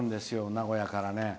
名古屋から。